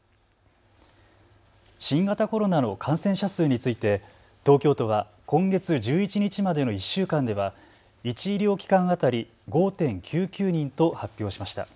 新型コロナの感染者数について東京都は今月１１日までの１週間では１医療機関当たり５．９９人と発表しました。